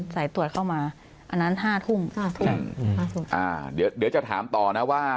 สายตรวจเข้ามาอันนั้นห้าทุ่มห้าทุ่มห้าทุ่มอ่าเดี๋ยวเดี๋ยวจะถามต่อนะว่า